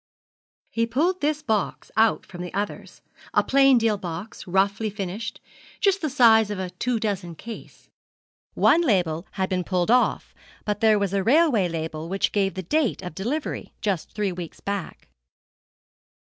He pulled this box out from the others a plain deal box, roughly finished, just the size of a two dozen case. One label had been pulled off, but there was a railway label which gave the date of delivery, just three weeks back.